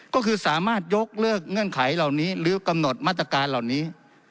ก็คือสามารถยกเลิกเงื่อนไขเหล่านี้หรือกำหนดมาตรการเหล่านี้